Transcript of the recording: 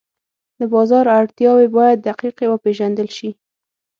د بازار اړتیاوې باید دقیقې وپېژندل شي.